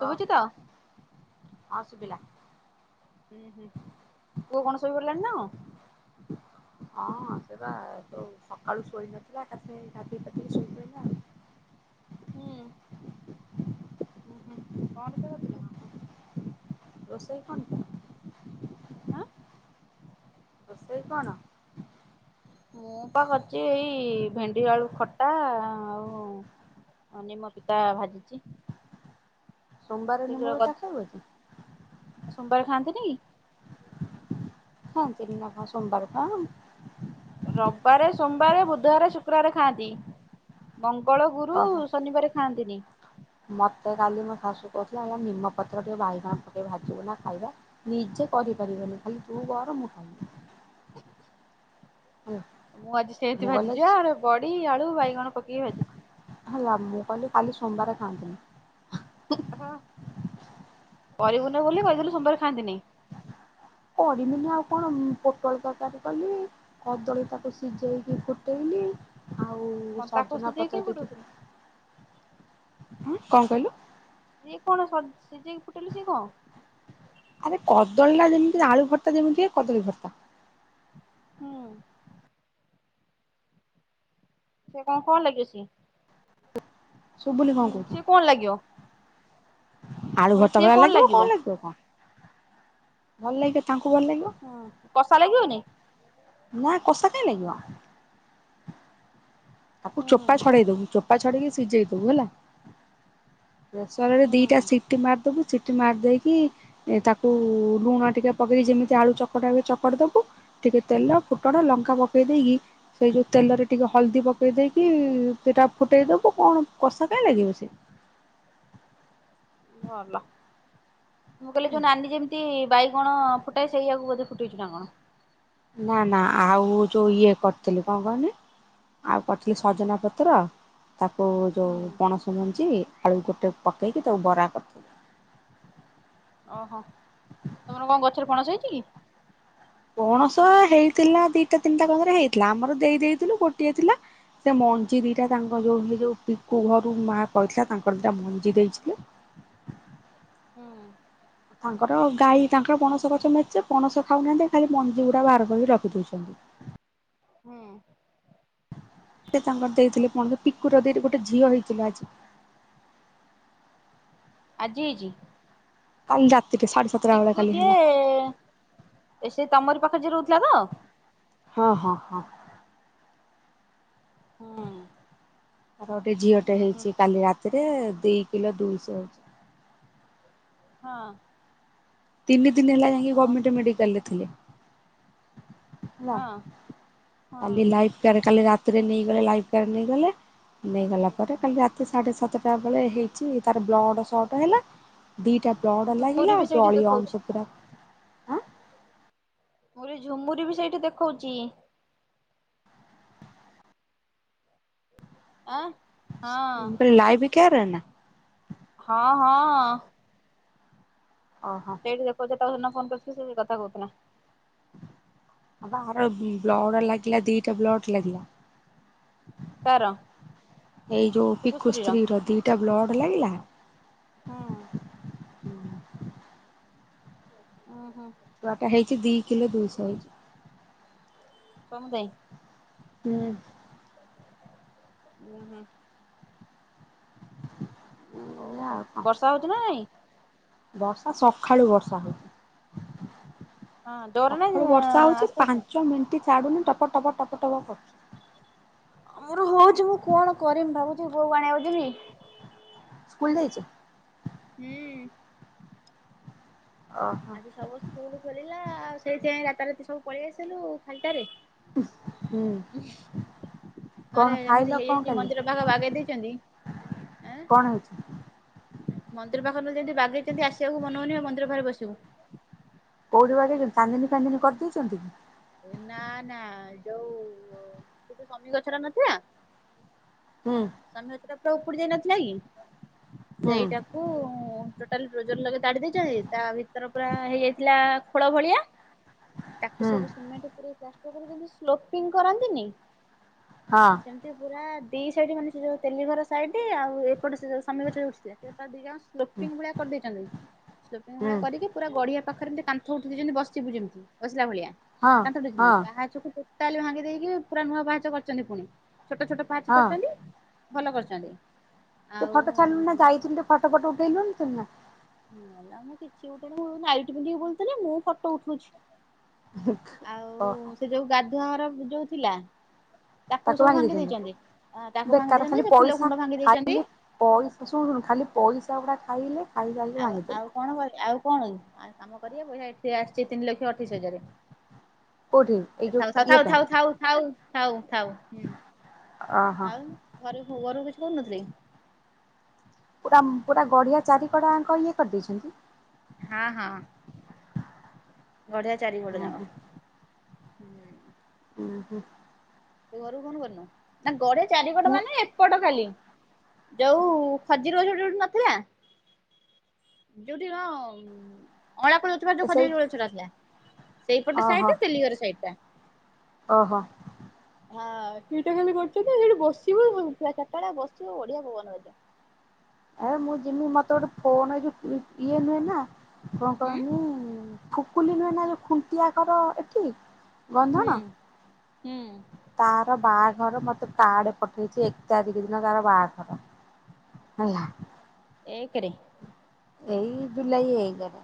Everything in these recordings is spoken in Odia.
ହଁ ତ? -ହଁ ଶୁଭିଲା। ହୁଁ- ହୁଁ ପୁଅ କଣ୍ ସୋଇପଡିଲାଣି ନା କଣ୍? ହଁ ସେ ବା ତ ସକାଳୁ ଶୋଇ ନଥିଲା ଏକାଥରେ ଗାଧେଇ ପାଧେଇ କି ଶୋଇ ପଇଲା ଆଉ। ହୁଁ। ହୁଁ -ହୁଁ କଣ ସବୁ ଥିଲା? ରୋଷେଇ କଣ ଟା? ଆଁ ରୋଷେଇ କଣ? ମୁଁ ପା କରିଚି ଏଇ ଭେଣ୍ଡି ଆଳୁ ଖଟା ଆଉ ଅଁ -ନିମ ପିତା ଭାଜିଚି। ସୋମବାର ନମବେଟା ଖାଇବ କି? ସବର ଖାନ୍ତି ନି କି? ହଁ ସୋରନା କ ସୋମବାର କା ରବିବାରେ ସୋମବାର ବୁଧବାର ଶୁକ୍ରବାର ଖାଆନ୍ତି। ମଙ୍ଗଳ ଗୁରୁ ଓହୋ ଶନିବାର ଖାଆନ୍ତିନି। ମତେ କାଲି ମୋ ଶାଶୁ କହୁଥିଲେ ଆଜ୍ଞା ନିମପତ୍ର ଟିକେ ବାଇଗଣ ପ ଟେ ଭାଜିବୁ ନା ଖାଇବା ନିଜେ କରିପାରିବନି ଖାଲି ତୁ କର ମୁଁ ଖାଲି। ମୁଁ ଆଜି ସେଏଁତି ମୁଁ କହିଲି ଭାଜିଛି ଆଡେ ବଡ଼ି, ଆଳୁ, ବାଇଗଣ ପକେଇକି ଭାଜିଛି। ହେଲା, ମୁଁ କହିଲି କାଲି ସୋମବାର ଖାଆନ୍ତିନି। ହଁ, କରିବୁନି ବୋଲି, କହିଦେଲୁ ସୋମବାରେ ଖାଆନ୍ତିନି। କରମିନି ଆଉ କଣ? ପୋଟଳ ତରକାରୀ କଲି। କଦଳୀ ତାକୁ ସିଜେଇକି, ଫୁଟେଇଲି। ଆଉ କଣ ତାକୁ ସଜନା ସିଝେଇକି ପତ୍ର କାଇଁ ଦିଟି, ଫୁଟଉଥିଲୁ? କଣ କହିଲୁ? ସିଏ କଣ ସ, ସିଝେଇକି ଫୁଟେଇଲେ ସିଏ କଣ? ଆରେ କଦଳୀ ଟା ଯେମିତି ଆଳୁ ଭର୍ତ୍ତା ଯେମିତି ଏ କଦଳୀ ଭର୍ତ୍ତା। ହୁଁ। ସେ କଣ କଣ ଲାଗିବ ସିଏ? ସବୁଲି ହୁଁ କଣ କହୁଚ? ସିଏ କଣ ଲାଗିଅଁ? ଆଳୁ ଭର୍ତ୍ତା ଭଳିଆ ଲାଗିବ, କଣ ଲାଗିବ କଣ? ଭଲ ଲାଗିବ, ତାଙ୍କୁ ଭଲ ଲାଗିବ? ହୁଁ, କଷା ଲାଗିବନି? ନା, କଷା କାଇଁ ଲାଗିବ? ତାକୁ ହୁଁ ଚୋପା ଛଡେଇ ଦବୁ। ଚୋପା ଛଡ଼େଇକି ସିଝେଇ ଦବୁ ହେଲା। ପ୍ରେସରରେ ଦିଟା ହୁଁ ସିଟି ମାରିଦବୁ। ସିଟି ମାରି ଦେଇକି ଏ ତାକୁ ଲୁଣ ଟିକେ ପକେଇକି, ଯେମିତି ଆଳୁ ଚକଟା ହୁଏ, ଚକଡ ଦବୁ। ଟିକେ ତେଲ ଫୁଟଣ ଲଙ୍କା ପକେଇ ଦେଇକି, ସେଇ ଯୋଉ ତେଲରେ ଟିକେ ହଳଦୀ ପକ୍ ଦେଇ ଦେଇକି-ଇ ସେଟା ଫୁଟେଇ ଦବୁ। କଣ କଷା କାହିଁ ଲାଗିବ ସିଏ? ଭଲ, ମୁଁ କହିଲି ଯୋଉ ନାନୀ ଯେମ୍ ତି ବାଇଗଣ ଫୁଟାଏ ସେଇଆକୁ ବଧେ, ଫୁଟେଇଛୁ ନା କଣ? ନା, ନା, ଆଉ ଯୋଉ ଇଏ କରିଥିଲି। କଣ କହନି? ଆଉ କରିଥିଲି ସଜନା ପତ୍ର, ତାକୁ ହୁଁ ଯୋଉ ପଣସ ମଞ୍ଜି, ଆଳୁ ଗୋଟେ ପକେଇକି ତାକୁ ବରା କରିଥିଲା। ଓହୋ! ତମର କଣ ଗଛରେ ପଣସ ହେଇଛି କି? ପଣସ ହେଇଥିଲା, ଦିଟା ତିନିଟା କନ୍ଦରେ ହେଇଥିଲା। ଆମର ଦେଇ ଦେଇଥିଲୁ। ଗୋଟିଏ ଥିଲା। ସେ ମଞ୍ଜି ଦିଟା ତାଙ୍କ ଯୋଉ ହେ ଜଉ, ପିକୁ ଘରୁ ମା କହିଥିଲା, ତାଙ୍କର ଦିଟା ମଞ୍ଜି ଦେଇଥିଲେ। ହଁ। ତାଙ୍କର ଗାଈ ତାଙ୍କର ପଣସ ଗଛ ମେଚେ, ପଣସ ଖାଉନାହାଁନ୍ତି ଖାଲି, ମଞ୍ଜି ଗୁଡା ବାହାର କରିକି ରଖି ଦଉଛନ୍। ହୁଁ। ସେ ତାଙ୍କର ଦେଇଥିଲେ ପଣସ, ପିକୁର ଦେଇର ଗୋଟେ ଝିଅ ହେଇଛିଲୋ ଆଜି। ଆଜି ହେଇଛି? କାଲି ରାତିରେ ସାଢ଼େ ସାତ ପକୁ ଯିଏ-ଏ, ସିଏ ତମରି ପାଖରେ ଯିଏ ରହୁଥିଲା ତ? ହଁ, ହଁ, ହଁ। ହୁଁ। ତାର ଗୋଟେ ଝିଅଟେ ଉଁ ହୁଁ ହେଇଛି କାଲି ରାତିରେ-ଏ। ଦି କିଲୋ ଦୁଇଶହ ହେଇଛି। ହଁ। ତିନି ଦିନି ହେଲା ଯାଇଁକି, ଓ ଗଭ୍ମେଣ୍ଟେ ମେଡିକାଲ୍ ଲେ ଥିଲେ। ହେଲା, ହଁ ହଁ କାଲି ଲାଇଟ୍ ଟାରେ କାଲି ରାତିରେ ନେଇଗଲେ, ଲାଇଫ କାଡ୍ ନେଇଗଲେ। ନେଇଗଲା ପରେ କାଲି ରାତି ସାଢ଼େ ସାତଟା ବେଳେ ହେଇଛି, ତାର ବ୍ଲଡ଼୍ ସଟ୍ ହେଲା। ଦିଟା ବ୍ଲଡ଼ ଝୁମୁରି ଲାଗିଲା, ବି ସେଇଠି ଜଳୀୟ ଦେଖଉଛି ଅଂଶ ପୁରା ଆଁ ମୋରି ଝୁମୁରି ବି ସେଇଠି ଦେଖଉଛି। ଆଁ ଲାଇଭ କେୟାରରେ ନା। ହଁ ହଁ। ଓହୋ। ଲୋକଟେ ତାକୁ ଫୋନ କରିଥିଲି ସେ ଏହି କଥା କହୁଥିଲା। ହଁ ଆରେ ବ୍ଲଡ ଲାଗିଲା ଦିଟା ବ୍ଲଡ ଲାଗିଲା। କାର ଏଇ ଯୋଉ ପିକୁ ଟିକୁଶ୍ରୀର ସ୍ତ୍ରୀର ଦିଟା ବ୍ଲଡ ଲାଗିଲା। ହୁଁ। ଉଁ ହୁଁ। ଛୁଆଟା ହେଇଛି ଦି କିଲୋ ଦୁଇଶହ ହେଇଛି। କଣ ପାଇଁ? ହୁଁ। ଉଁ ହୁଁ। ହୁଁ ଓହୋ ଆଉ କଣ ବର୍ଷା ହଉଛି ନା ନାଇଁ। ବର୍ଷା ସକାଳୁ ବର୍ଷା ହେଉଛି। ହଁ ଜୋରରେ ସଖାଳୁ ନା ବର୍ଷା ହଉଛି ଆସ୍ତେ ଆସ୍ତେ ପାଞ୍ଚ ମିନିଟ ଛାଡୁନି ଟପ ଟପ ଟପ ଟପ କରୁଛି। ମୋର ହଉଛି ମୁଁ କଣ କରିମି ଭାବୁଛିି ବୋଉକୁ ଆଣିବାକୁ ଯିବି। ସ୍କୁଲ ତମେ ଯାଇଛ ଯାଇନ? ହୁଁ। ଓହୋ ଆଜି ସବୁ ସ୍କୁଲ ଖୋଲିଲା ଆଉ ସେଇଥି ପାଇଁ ରାତାରାତି ସବୁ ପଳେଇ ଆସିଲୁ ଖାଲିଟାରେ। ହୁଁ। କଣ ଆରେ ଖାଇଲ ଏମିତି କଣ ହେଇଯାଇଛି କାଲି ମନ୍ଦିର ପାଖ ବାଗେଇ ଦେଇଛନ୍ତି ଏଁ। କଣ ହେଇଛି? ମନ୍ଦିର ପାଖ ଯେମିତି ବାଗେଇଛନ୍ତି ଆସିବାକୁ ମନହଉନି ମନ୍ଦିର ପାଖରେ ବସିବୁ। କୋଉଠି ବାଡେଇଛନ୍ତି ଚାନ୍ଦିନୀ ଫାନ୍ଦିନି କରିଦେଇଛନ୍ତି? ନା ନା ଯୋଉ ସେଠି ଶନି ଗଛଟା ନଥିଲା। ହୁଁ। ସନି ଗଛ ଟା ପୁରା ଉପୁଡି ଯାଇ ନଥିଲା କି ହୁଁ ସେଇଟାକୁ ଟୋଟାଲ ଡୋଜର ଲଗେଇ ତାଡ଼ି ଦେଇଛନ୍ତି ତା ଭିତରେ ପୁରା ହେଇଯାଇଥିଲା ଖୋଳ ଭଳିଆ। ତାକୁ ହୁଁ ସବୁ ସିମେଣ୍ଟ ପୁରେଇ ପ୍ଲାଷ୍ଟର କରିଦେଇଛନ୍ତି ସ୍ଲୋପିଙ୍ଗ କରନ୍ତିନି। ହଁ। ସେମିତି ପୁରା ଦି ସାଇଡ ମାନେ ସେ ଯୋଉ ତେଲି ଘର ସାଇଡ ଆଉ ଏପଟେ ସେ ଯଉ ସମୀର ଯଉ ଉଠିଥିଲା। ଦିଜଣ ହୁଁ ସ୍ଲୋପିଂ ଭଳିଆ କରିଦେଇଛନ୍ତି। ଶ୍ଲୋପିଂ ଭଳିଆ ହୁଁ କରିକି ପୁରା ଗଡିଆ ପାଖରେ ଯେମିତି କାନ୍ଥ ଉଠେଇ ଦେଇଛନ୍ତି ଯେମିତି ବସିବୁ ଯେମିତି ବସିଲା ଭଳିଆ। ହଁ କାନ୍ଥ ଦେଇଛନ୍ତି ହଁ ପାହାଚକୁ ଟୋଟାଲି ଭାଙ୍ଗି ଦେଇକି ପୁରା ନୂଆ ପାହାଚ କରିଛନ୍ତି ପୁଣି ଛୋଟ ଛୋଟ। ପାହାଚ ହଁ କରିଛନ୍ତି ଭଲ କରିଛନ୍ତି। ସେ ଫଟୋ ଛାଡୁନୁ ନା ଆଉ ଯାଇଥିଲୁ ଟିକେ ଫଟୋ ଫଟୋ ଉଠେଇଲୁ ନା। ମଲା ମୁଁ କିଛି ଉଠେଇନି ମୁ ନାଇଟି ପିନ୍ଧି ବୁଲୁଥିଲି ମୁଁ ଫଟୋ ଉଠୋଉଛି। ଆଉ ଓହୋ ସେ ଯୋଉ ଗାଧୁଆଘର ଯୋଉ ଥିଲା। ତାକୁ ସବୁ ଭାଙ୍ଗି ଦେଇଛନ୍ତି ତାକୁ ଭାଙ୍ଗି ବେକାର ଖାଲି ଦେଇଛନ୍ତି ସେ ଫୁଲ ପଇସା କୁଣ୍ଡ ଭାଙ୍ଗି ଦେଇଛନ୍ତି। ଖାଲି ପଇସା ଶୁଣୁ ଖାଲି ପଇସା ଗୁଡା ଖାଇଲେ। ଖାଇ ଖାଇକି ଆଉ ଭାଙ୍ଗିଦେଲେ ଆଉ କଣ ଆଉ କଣ କାମ କରିବେ ପଇସା ଏଠି ଆସିଛି ତିନି ଲକ୍ଷ ଅଠେଇଶି ହଜାର। କୋଉଠି ଏଇ ଯୋଉ ଥାଉ ଥାଉ ଇଏ ପାଇଁ ଥାଉ ଥାଉ। ଥାାଉ ଥାଉ ଓହୋ ଆଉ ଘରୁ ଘରୁ କିଛି କହୁନଥିଲି କି? ପୁରା ପୁରା ଗଢିଆ ଚାରି କଡ ଆଙ୍କ ହିଁ କରିଦେଇଛନ୍ତି। ହଁ ହଁ ଗଢିଆ ଚାରିକଡ ଉଁ ହୁଁ ଯାଙ୍କ। ହୁଁ ହୁଁ ତୁ ଘରକୁ ଫୋନ କରିନୁ ନା ଗଢିଆ ଚାରିପଟ ମୁଁ ମାନେ। ଏପଟ ଖାଲି ଯୋଉ ଖଜିର ଗଛ ଗୋଟେ ଗୋଟେ ନଥିଲା। ଯୋଉଠି ରମ୍ ଅଁଳା କୋଳି ଗଛ୍ ଯୋଉ ଖଜୁରି ସେଇଠି କୋଳି ଗଛ ଟା ଥିଲା, ସେଇପଟ ଓହୋ ସାଇଟି ତେଲିଘର ସାଇଟ ଟା। ଓହୋ। ହଁ ସେଇଟା ଖାଲି କରଛନ୍ତି ସେଠି ବସିବୁ ପୁରା ଚାରିଟା ବେଳିଆ ବସିବୁ ବଢିଆ ପବନ ବାଜିବ। ଆରେ ମୁଁ ଯିମି ମତେ ଗୋଟେ ଫୋନ ଇ ଯୋଉ ଇଏ ନୁହେଁ ନା କଁ ଉଁ କହନି। ଖୁକୁଲି ନୁହେ ନା ଯୋଉ ଖୁଣ୍ଟିଆ କର ଏଠି। ଗନ୍ଧଣ ହୁଁ ହୁଁ। ତାର ବାଆଘର ମତେ କାଡେ ପଠେଇଛି ଏକ୍ ତାରିକ୍ ଦିନ ତାର ବାଆଘର। ହେଲା। ଏକେରେ। ଏଇ ଜୁଲାଇ ଏକେରେ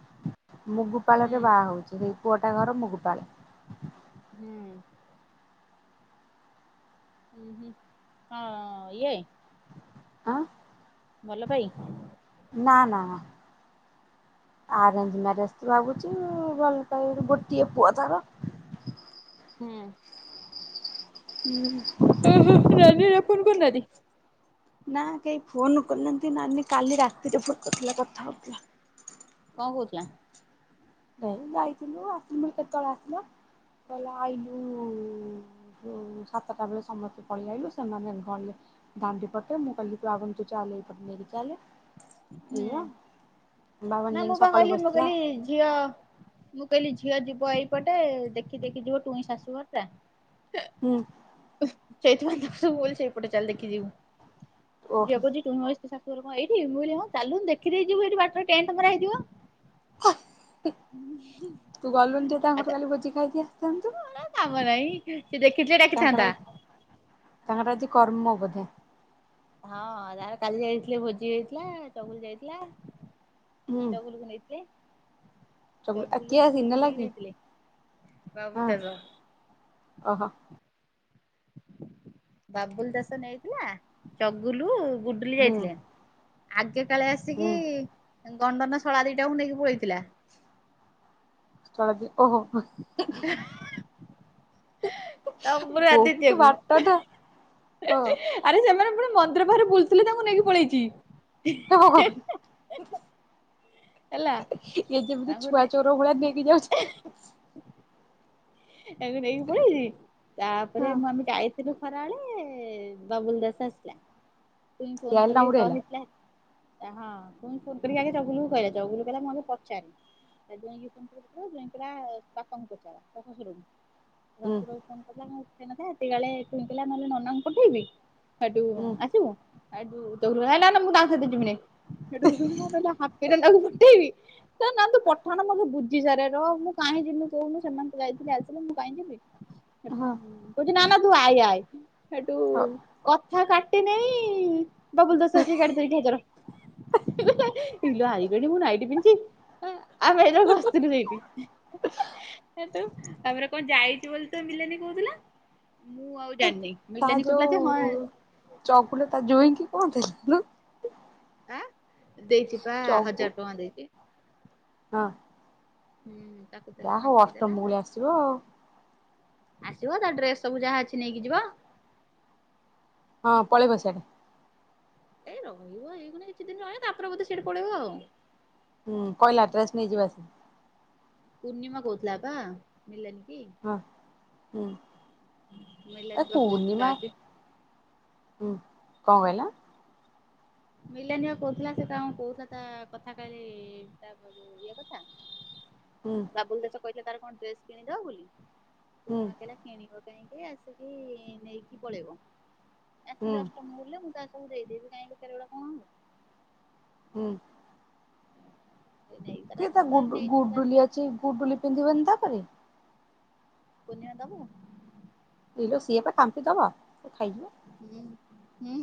ମୁଗୁପାଳ ହୁଁ ରେ ବାଆ ହଉଛି ସେଇ ପୁଅଟା ଘର ମୁଗୁପାଳେ। ହୁଁ। ଉଁ ହୁଁ କଁ ଏଇ। ଆଁ। ଭଲ ପାଇ। ନା ନା ଓହୋ ଆରେଞ୍ଜ ମେରେଜ୍। ଭାବୁଛି ଭଲ୍ ପାଇ ଗୋଟିଏ ପୁଅ ତାର। ହୁଁ। ହୁଁ। ଉଁ ହୁଁ ନାନି ଆଉ ଫୋନ କରନାନ୍ତି। ନା କେହି ଫୋନ କରିନାହାନ୍ତି ନାନୀ କାଲି ରାତିରେ ଫୋନ୍ କରିଥିଲା କଥାହଉଥିଲା। କଁ କହୁଥିଲା। ଏଇ ଯାଇଥିଲୁ ଆସିଲୁ କେତଳେ ଆସିଲ କଲା ଆଇଲୁଉ ଯଉ ସାତଟା ବେଳେ ସମସ୍ତେ ପଳିଆଇଲୁ, ସେମାନେ ଗଲେ ଦାଣ୍ଡି ପଟେ ମୁଁ କଲି ତୁ ଆଗୁନ୍ ତୁ ଚାଲେ ଏଇ ପଟେ ନେଇକି ଚାଲେ। ହୁଁ ଏଇଆ ବାବାନ ନାଁ ଯାଇକି ମୁଁ ପା ସକାଳୁ କହିଲି ମୁଁ ବସିଥିଲା କହିଲି ଝିଅ ମୁଁ କହିଲି ଝିଅ ଯିବ ଏଇପଟେ ଦେଖି ଦେଖି ଯିବ ଟୁଇଁ ଶାଶୁଘର ଟା। ହୁଁ। ହୁ ସେଇଥି ପାଇଁ ତାକୁ ସବୁ କହିଲି ସେଇପଟେ ଚାଲ ଦେଖି ଯିବୁ ଝିଅ ଓହୋ କହୁଚି ଟୁଇଁ ମାଉସୀ ସା ତୋର କଣ ଏଇଠି ମୁ ହଁ ଚାଲୁନ୍ ଦେଖିଦେଇ ଯିବୁ ଏଇଠି ବାଟରେ ଟେଣ୍ଟ ମରା ହେଇଥିବ। ଉଁ ହୁଁ। ତୁ ଗଲୁନୁ ଟିକେ ତାଙ୍କଘରୁ କାଲି ଭୋଜି ଖାଇକି ଆସିଥାନ୍ତୁ। ଏ କାମ ନାଇଁ, ସେ ଦେଖିଥିଲେ ଡାକିଥାନ୍ତା। କାହାର ଆଜି କର୍ମ ବୋଧେ। ହଁ ଯାହାର କାଲି ଯାଇଥିଲେ ଭୋଜି ହେଇଥିଲା ଚଗୁଲ୍ ଯାଇଥିଲା। ହୁଁ ଚଗୁଲୁ କୁ ନେଇଥିଲେ। ଚଗୁଲ ଆ କିଏ ଚଗୁଲକୁ ଆସି ନେଲା ଗୁଡୁଲିକି କିଏ ନେଇଥିଲେ ବାବୁଲ ହଁ ଦାସ ଓହୋ। ବାବୁଲ୍ ଦାସ ନେଇଥିଲା। ଚଗୁଲୁ ଗୁଡୁଲି ହୁଁ ଯାଇଥିଲେ, ଆଗେ କାଳେ ଆସିକି ହୁଁ ଗଣ୍ଡନ ଶଳା ଦିଟାକୁ ନେଇକି ପଳେଇଥିଲା। ଚଳତି ଓହୋ। [unintelligible] [unintelligible] ଡମ୍ବରୁ ବହୁତ ଆଦିତ୍ୟକୁ ବାଟ ନା ହଁ। ଆରେ ସେମାନେ ପୁଣି ମନ୍ଦିର ପାଖରେ ବୁଲ୍ ଥିଲେ ତାଙ୍କୁ ନେଇକି ପଳେଇଛି। [unintelligible] ହେଲା ଇଏ ଯେମିତି ଛୁଆ ଚୋର ଭଳିଆ ନେଇକି ଯାଉଛନ୍ତି। ଏବେ ନେଇକି ପଳେଇବି ହଁ ତାପରେ ମୁଁ ଆମ ଗାଇ ସେଠୁ ଖରାଏଳେ ବାବୁଲ ଦାସ ଆସିଥିଲା ଟୁଇଁ ଖିଆ ଫୋନ ହେଲା କରି ନା ଉଡେଇଲା କହିଥିଲା ହଁ ଟୁଇଁ ଫୋନ କରିକି ଆଗେ ଜଗୁଲ କୁ କହିଲା ଜଗୁଲ କହିଲା ମୁଁ ଆଗେ ପଚାରିବି। ସେଥିପାଇଁ [inaudible] ଯଇଁ କହିଲା ବାପାଙ୍କୁ ପଚାର ତା ଶଶୁରକୁ। ହୁଁ ଶସୁରକୁ ଫୋନ କରିଥିଲା କଣ ଉଠେଇ ନଥିଲେ ହେତିକିଏଳେ ଟୁଇଁ କହିଲା ନହେଲେ ନନାଙ୍କୁ ପଠେଇବି? ହେଠୁ ହୁଁ। ଆସିବୁ ହେଠୁ ତାପରେ କହିଲାନା ମୁଁ ତା ସହିତ ଜିବିନେଇ। ହେଠୁ ମୁଁ କହିଲି ନାଁ କହିଲି ହାତରେ ନେଇ କୁଟିବି। ତ ନା ତୁ ପଠାନି ମୁଁ ଆଗେ ବୁଝି ସାରେ ର ମୁଁ କାହିଁ ଯିବି କହୁନୁ ସେମାନେ ତ ଯାଇଥିଲେ ଆସିଲେ ମୁଁ କାହିଁ ଯିବି। ହଁ କହୁଛି ନା ନା ତୁ ଆଇ ଆଇ ହେଠୁ ହଉ କଥା କାଟି ନେଇ ବାବୁଲ ଦାସ ଆସିକି କାଟି ଦେଇଚି ହଜାର। ଇଲୋ ଆଇଲେଣି ମୁଁ ନାଇଟି ପିନ୍ଧଛି। ଆମେ ଏଇନା ବସିଥିଲୁ ହେଇଠି। ହେଠୁ ତାପରେ କଣ ଯାଇଛୁ ବୋଲି ତ ମିଲାନୀ କହୁଥିଲା ମୁଁ ଆଉ ଏ ଜାଣିନି। ତା ମିିଲାନି କହୁଉଥିଲା ଯେ ହଁ ଯୋଉ ଚଗୁଲ ତା ଜୋଇଁକି କଉ ଥେଲେ ନୁଉ? ଆ ଦେଇଛି ପା ଚଗୁ ହଜାର ଟଙ୍କା ଦେଇଛି। ହଁ ହୁଁ ତା ଯାହା ହଉ ଅଷ୍ଟମଙ୍ଗୁଳି ଆସିବ ଆଉ। ଆସିବ ତା ଡ୍ରେସ ସବୁ ଯାହା ଅଛି ନେଇକି ଯିବ। ହଁ ପଳେଇବ ସିଆଡେ। ଏଇ ରହିବ ଏଇଖୁଣି କିଛି ଦିନ ରହିବ ତାପରେ ବୋଧେ ସିଆଡେ ପଳେଇବ ଆଉ। ହୁଁ କହିଲା ଡ୍ରେସ ନେଇଯିବ ଆସିକି। ପୂର୍ଣ୍ଣିମା କହୁଥଲା ପା। ମିଲନି କି ହଁ ହୁଁ। ଏ ମିିଲନାନୀ ବା କୁନିମା କହୁଥିଲା ଆଗେ। ହୁଁ କଣ କହିଲ? ମିଲାନିପା କହୁଥିଲା ସେ ତାଙ୍କ କହୁଥିଲା ତା କଥା କାଳେ ତା ଇଏ କଥା। ହୁଁ। ବୁଲ ଦାସ କହିଥିଲା ତାର କଣ ଡ୍ରେସ୍ କିଣିଦବ ବୋଲି ସେ ହୁଁ ନୂଆ କହିଲା କିଣିବ କାହିଁକି ଆସିକି ନେଇକି ପଳେଇବ ହୁଁ ଆସିଲି ଅଷ୍ଟ ମଙ୍ଗୁଳିରେ ମୁଁ ତା ଦେଇଦେବି କହଇଁ ଦି ଚାରି ହଳ। ହୁଁ। ହବ ନେଇକି ତାର କି ତା ଆସିଲେ ଗୁ ତାର ନେଇଯିବ ତାର ଗୁଡୁଲି ଅଛି ଗୁଡୁଲି ପିନ୍ଧିବନି ତାପରେ? ପୁନିଅ ଦବୁ? କିଲୋ ସିଏ ପା କାମ୍ପି ଦବ ସେ ଖାଇଜୀବ। ହୁଁ ହୁଁ।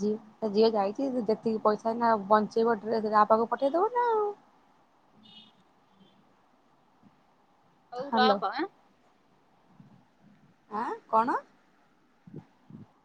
ଯେ ଝିଅ ଯାଇଛି ଯେତିକି ପଇସା ଏଇନା ବଞ୍ଚେଇବ ଡ୍ରେସ ଯା ପାଖକୁ ପଠେଇଦବ ନା ଆଉ। ତୁ ହ୍ୟାଲୋ ରଖ ଆଁ? ଆଁ କଣ? [inaudible]